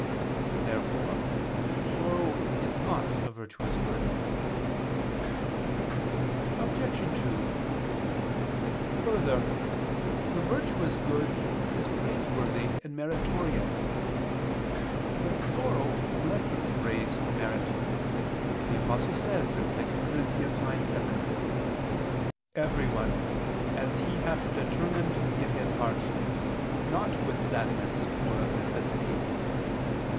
Therefore sorrow is not a virtuous good. Obj. 2: Further, the virtuous good is praiseworthy and meritorious. But sorrow lessens praise or merit: for the Apostle says (2 Cor. 9:7): "Everyone, as he hath determined in his heart, not with sadness, or of necessity."